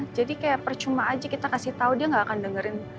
jadi kayak percuma aja kita kasih tau dia gak akan dengerin